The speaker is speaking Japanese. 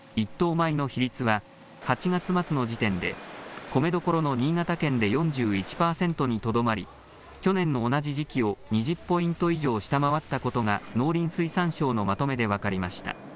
米の比率は、８月末の時点で米どころの新潟県で４１％にとどまり、去年の同じ時期を２０ポイント以上下回ったことが農林水産省のまとめで分かりました。